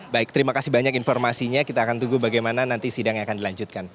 baik terima kasih banyak informasinya kita akan tunggu bagaimana nanti sidangnya akan dilanjutkan